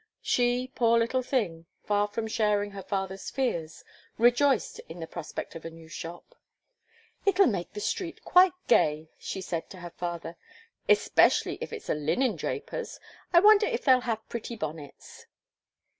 She, poor little thing, far from sharing her father's fears, rejoiced in the prospect of a new shop. "It'll make the street quite gay," she said to her father, "especially if it's a linen draper's. I wonder if they'll have pretty bonnets."